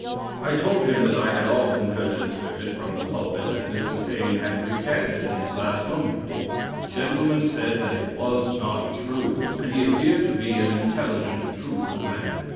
I told him that I had often heard it asserted from the pulpit that Mr. Paine had recanted in his last moment. The gentleman said that it was not true, and he appeared to be an intelligent, truthful man.